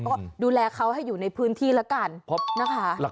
ก็ดูแลเขาให้อยู่ในพื้นที่แล้วกันนะคะ